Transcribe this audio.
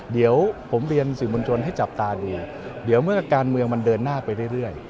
เดี๋ยวผมเรียนสื่อมวลชนให้จับตาดีเดี๋ยวเมื่อการเมืองมันเดินหน้าไปเรื่อย